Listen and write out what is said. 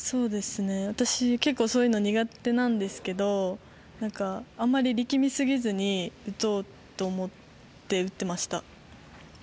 私は結構そういうの苦手なんですがあまり力みすぎずに打とうと思って打っていました。